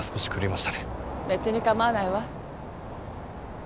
別に構わないわ。